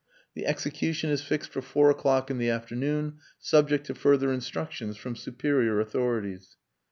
"The execution is fixed for four o'clock in the afternoon, subject to further instructions from superior authorities."